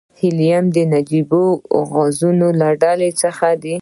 هیلیم د نجیبه غازونو له ډلې څخه دی.